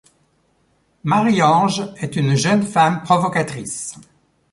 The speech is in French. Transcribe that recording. Marie-Ange est une jeune femme provocatrice.